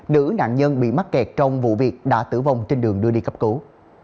nữ nạn nhân bị mắc kẹt trong vụ việc đã tử vong trên đường đưa đi cấp cứu